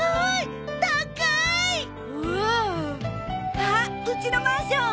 あっうちのマンション！